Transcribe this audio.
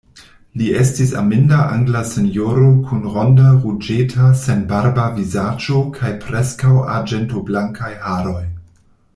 Li estis aminda angla sinjoro kun ronda, ruĝeta, senbarba vizaĝo kaj preskaŭ arĝentoblankaj haroj.